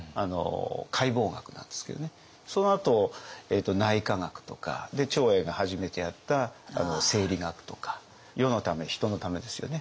そのあと内科学とか長英が初めてやった生理学とか世のため人のためですよね。